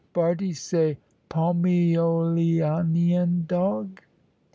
Bardie say 'Pomyoleanian dog!'"